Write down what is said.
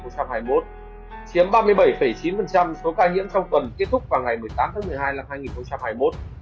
chiếm ba mươi bảy chín số ca nhiễm trong tuần kết thúc vào ngày một mươi tám tháng một mươi hai năm hai nghìn hai mươi một